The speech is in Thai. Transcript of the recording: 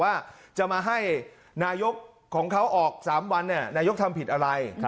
ว่าจะมาให้นายกของเขาออก๓วันนายกทำผิดอะไร